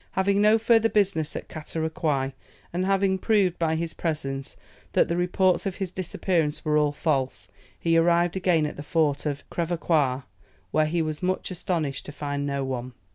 Having no further business at Catarocouy, and having proved by his presence that the reports of his disappearance were all false, he arrived again at the fort of Crèvecoeur, where he was much astonished to find no one.